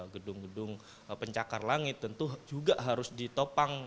gedung gedung pencakar langit tentu juga harus ditopang